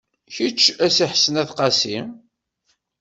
Kečč a Si Ḥsen At Qasi.